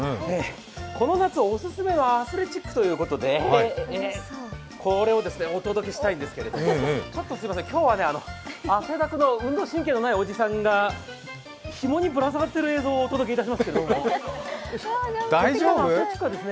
この夏オススメのアスレチックということで、これをお届けしたいんですけれどもちょっとすいません、今日は汗だくの運動神経のないおじさんがひもにぶら下がっている映像をお届けしますけれども。